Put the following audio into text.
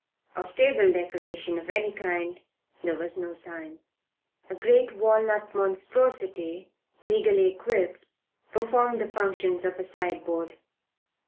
Of table decoration of any kind there was no sign. A great walnut monstrosity meagrely equipped performed the functions of a sideboard.